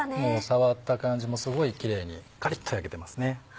触った感じもすごいキレイにカリっと焼けてますね。